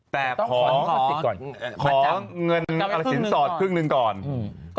แต่ของพอเงินสินสอดครึ่งนึงก่อน